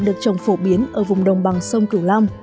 được trồng phổ biến ở vùng đồng bằng sông cửu long